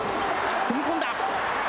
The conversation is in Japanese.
踏み込んだ。